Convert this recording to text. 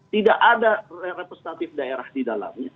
tidak ada representatif daerah di dalamnya